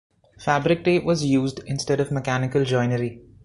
Fabric tape was used instead of mechanical joinery.